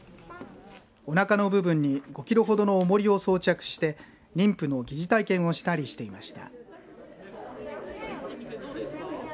おなかの部分に５キロほどのおもりを装着して妊婦の疑似体験をしたりしていました。